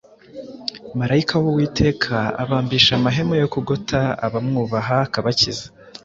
Marayika w’Uwiteka abambisha amahema yo kugota abamwubaha, akabakiza.